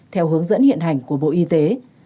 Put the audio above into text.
theo hướng dẫn hiện hành của bộ y tế